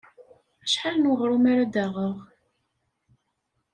Acḥal n weɣrum ara d-aɣeɣ?